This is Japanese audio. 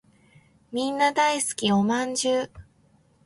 みんな大好きお饅頭